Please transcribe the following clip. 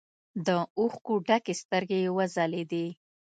له اوښکو ډکې سترګې يې وځلېدې.